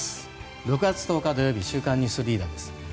６月１０日、土曜日「週刊ニュースリーダー」です。